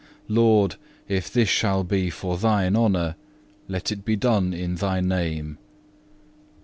Lord, if this shall be for Thine honour, let it be done in Thy Name.